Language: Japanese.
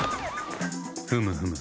ふむふむ。